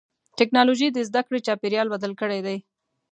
ټکنالوجي د زدهکړې چاپېریال بدل کړی دی.